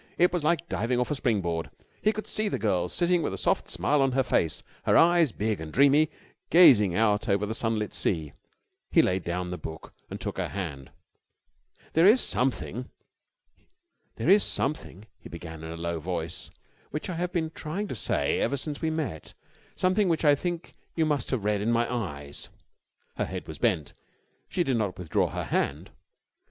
It was like diving off a spring board. He could see the girl sitting with a soft smile on her face, her eyes, big and dreamy, gazing out over the sunlit sea. He laid down the book and took her hand. "There is something," he began in a low voice, "which I have been trying to say ever since we met, something which I think you must have read in my eyes." Her head was bent. She did not withdraw her hand.